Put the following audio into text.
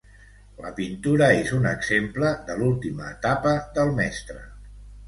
La pintura és un exemple de l'última etapa del mestre.